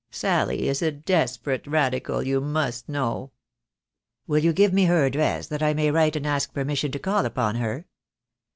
Sally is a desperate Radical, you must know." "Will you give me her address, that I may write and ask her permission to call upon her?"